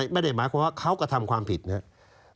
ไม่ได้หมายความว่าเขากระทำความผิดนะครับ